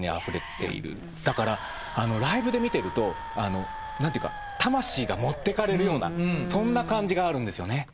だからライブで見てると何ていうか魂が持ってかれるようなそんな感じがあるんですよね。